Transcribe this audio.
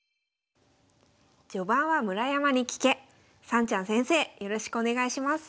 さんちゃん先生よろしくお願いします。